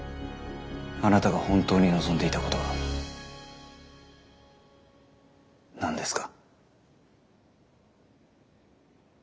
あなたが本当に望んでいたことは何ですか？